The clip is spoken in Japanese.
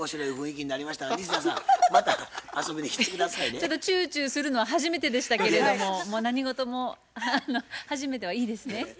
ちょっとチューチューするのは初めてでしたけれども何事も初めてはいいですね。